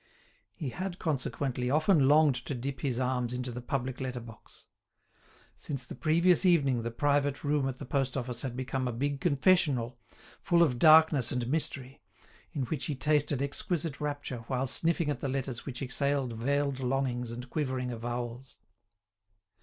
He had, consequently, often longed to dip his arms into the public letter box. Since the previous evening the private room at the post office had become a big confessional full of darkness and mystery, in which he tasted exquisite rapture while sniffing at the letters which exhaled veiled longings and quivering avowals.